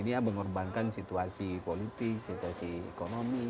dan mengorbankan situasi politik ekonomi